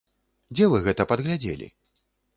Дзе вы гэта падглядзелі?